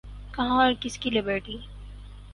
کہاں اور کس کی لبرٹی؟